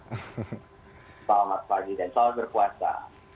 semangat pagi dan salam berpuasa